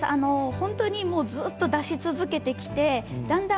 本当にずっと出し続けてきてだんだん